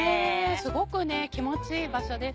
すごく気持ちいい場所です。